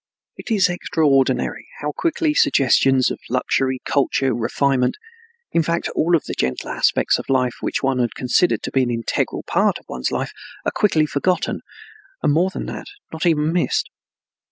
It is extraordinary how quickly suggestions of luxury, culture, refinement, in fact all the gentler aspects of life, which one had considered to be an integral part of one's life are quickly forgotten, and, more than that, not even missed.